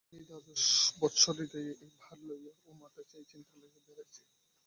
আমি দ্বাদশ বৎসর হৃদয়ে এই ভার লইয়া ও মাথায় এই চিন্তা লইয়া বেড়াইয়াছি।